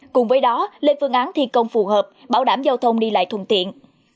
cùng với đó lên phương án thi công phù hợp bảo đảm giao thông đi lại thuận tiện